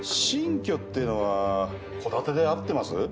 新居っていうのは戸建てで合ってます？